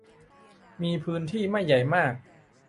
มีพื้นที่ไม่ใหญ่มาก